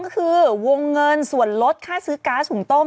๒คือวงเงินส่วนลดค่าซื้อการสูงต้ม